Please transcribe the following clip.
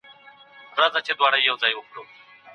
د کوچیانو ژوند یوازې د وسایلو له پلوه د نورو څخه توپیر لري.